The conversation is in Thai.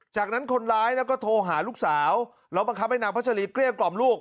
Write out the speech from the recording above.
จากนั้นคนร้ายก็โทรหาลูกสาวแล้วบังคับให้นางพัชรีเกลี้ยกล่อมลูก